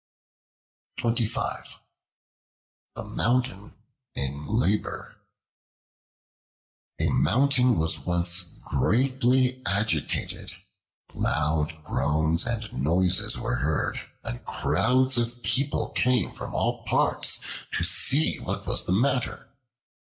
The Mountain in Labor A MOUNTAIN was once greatly agitated. Loud groans and noises were heard, and crowds of people came from all parts to see what was the matter.